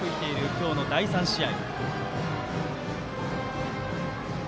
今日の第３試合。